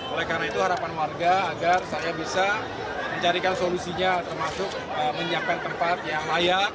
oleh karena itu harapan warga agar saya bisa mencarikan solusinya termasuk menyiapkan tempat yang layak